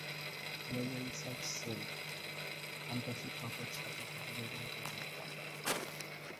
কলেজের research cell এখানকার শিক্ষক ও ছাত্র-ছাত্রীদের গবেষণা কাজে সাহায্য করে।